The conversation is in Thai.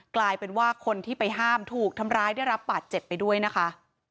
กลายเป็นว่าคนที่ไปห้ามถูกทำร้ายได้รับบาดเจ็บไปด้วยนะคะ